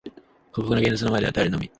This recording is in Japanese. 過酷な現実の前では耐えるのみ